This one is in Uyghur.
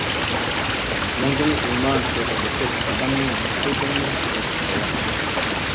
لۆڭگىنى ئىلمان سۇغا بېسىپ دادامنىڭ يۈز-كۆزلىرىنى سۈرتۈپ قوياتتىم.